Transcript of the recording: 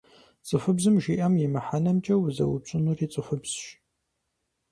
ЦӀыхубзым жиӏэм и мыхьэнэмкӀэ узэупщӀынури цӀыхубзщ.